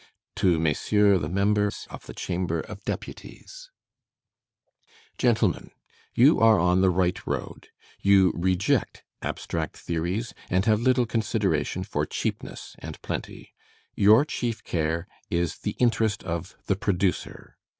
To Messieurs the Members of the Chamber of Deputies: Gentlemen: You are on the right road. You reject abstract theories, and have little consideration for cheapness and plenty. Your chief care is the interest of the producer.